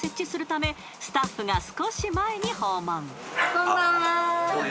こんばんは。